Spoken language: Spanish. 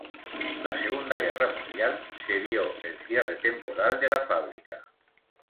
La Segunda Guerra Mundial, se vio el cierre temporal de la fábrica.